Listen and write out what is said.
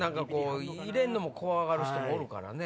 入れるのも怖がる人おるからね。